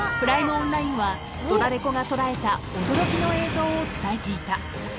オンラインはドラレコが捉えた驚きの映像を伝えていた］